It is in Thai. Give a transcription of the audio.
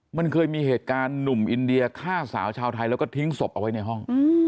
มันเคยมีเหตุการณ์หนุ่มอินเดียฆ่าสาวชาวไทยแล้วก็ทิ้งศพเอาไว้ในห้อง